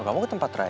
kamu ke tempat raya